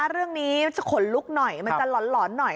เรื่องนี้จะขนลุกหน่อยมันจะหลอนหน่อย